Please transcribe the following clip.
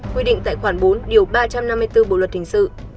quy định tại khoản bốn điều ba trăm năm mươi bốn bộ luật hình sự